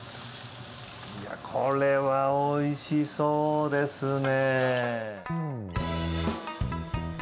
いやこれはおいしそうですね。